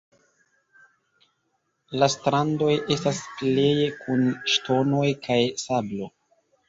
La strandoj estas pleje kun ŝtonoj kaj sablo.